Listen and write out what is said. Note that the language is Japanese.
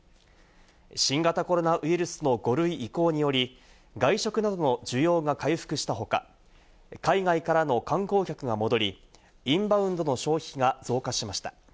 新型コロナウイルスの５類移行により、外食などの需要が回復した他、海外からの観光客が戻り、インバウンドの消費が増加しました。